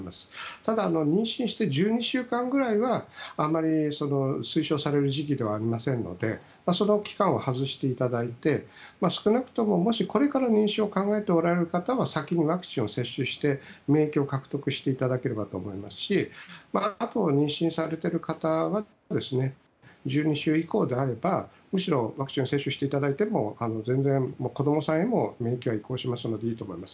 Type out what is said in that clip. ただ、妊娠して１２週間くらいはあまり推奨される時期ではありませんのでその期間は外していただいて少なくとも、もしこれから妊娠を考えておられる方は先にワクチンを接種して免疫を獲得していただければと思いますしあとは妊娠されている方は１２週以降であればむしろワクチンを接種していただいても子供さんへも免疫は移行しますのでいいと思います。